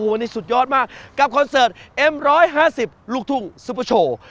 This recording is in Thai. วันนี้สุดยอดมากกับเอ็มร้อยห้าสิบลูกทุ่งซุปเปอร์โชว์